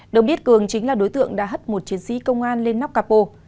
đồng biết cường chính là đối tượng đã hất một chiến sĩ công an lên nóc cà pô